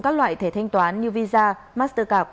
các loại thẻ thanh toán như visa mastercard